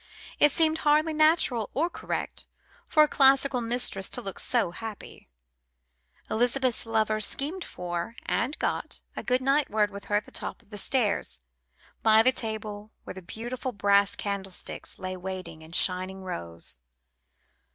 It seemed hardly natural or correct for a classical mistress to look so happy. Elizabeth's lover schemed for and got a goodnight word with her at the top of the stairs, by the table where the beautiful brass candlesticks lay waiting in shining rows.